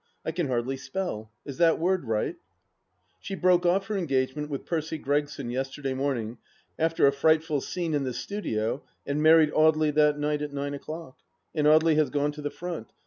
I can hardly spell. Is that word right ? She broke off her engagement with Percy Gregson yester day morning after a frightful scene in the studio, and married Audely that night at nine o'clock. And Audely has gone to the Front.